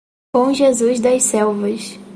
Bom Jesus das Selvas